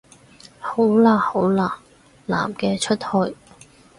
好喇好喇，男嘅出去